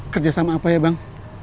kerja sama apa ya bang